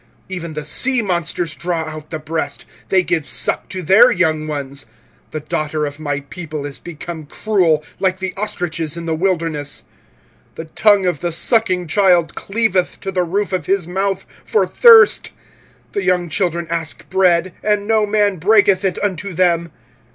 25:004:003 Even the sea monsters draw out the breast, they give suck to their young ones: the daughter of my people is become cruel, like the ostriches in the wilderness. 25:004:004 The tongue of the sucking child cleaveth to the roof of his mouth for thirst: the young children ask bread, and no man breaketh it unto them.